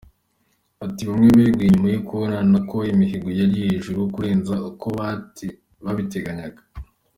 Ati “Bamwe beguye nyuma yo kubona ko imihigo yari hejuru kurenza uko babiteganyaga.